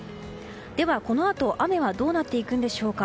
ではこのあと、雨はどうなっていくんでしょうか。